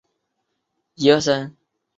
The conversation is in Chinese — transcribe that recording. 形成福建文史上的一桩公案。